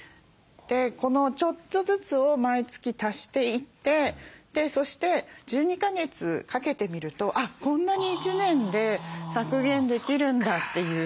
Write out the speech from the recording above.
このちょっとずつを毎月足していってそして１２か月かけてみるとこんなに１年で削減できるんだっていう。